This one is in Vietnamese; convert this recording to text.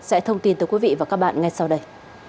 sẽ thông tin tới quý vị và các bạn ngay sau đây